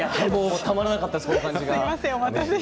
たまらなかったです。